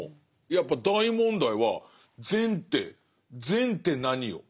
やっぱ大問題は善って善って何よ？